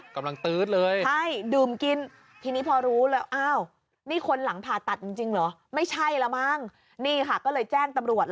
กำลังตื๊ดเลยใช่ดื่มกิน